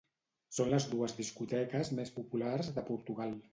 Són les dues discoteques més populars de Portugal.